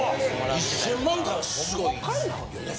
・１０００万回はすごいよね。